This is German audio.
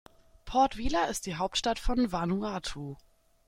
Port Vila ist die Hauptstadt von Vanuatu.